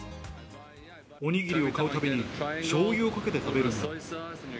お握りを買うたびにしょうゆをかけて食べるんだ。